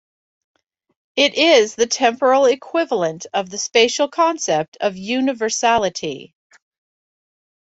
It is the temporal equivalent of the spatial concept of universality.